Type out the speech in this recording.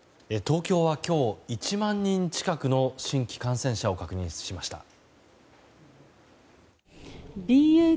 東京は今日、１万人近くの新規感染者を確認しました。